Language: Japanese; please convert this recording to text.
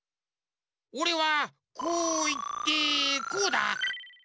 おれはこういってこうだ。